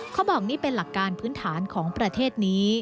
เขาบอกนี่เป็นหลักการพื้นฐานของประเทศนี้